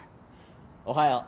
おはよう。